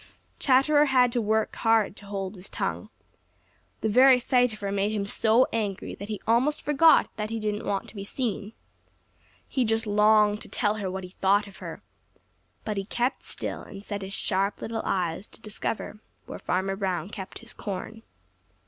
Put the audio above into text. Chatterer had hard work to hold his tongue. The very sight of her made him so angry that he almost forgot that he didn't want to be seen. He just longed to tell her what he thought of her. But he kept still and set his sharp little eyes to discover where Farmer Brown kept his corn.